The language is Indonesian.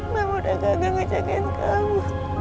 mama udah gagal ngajakin kamu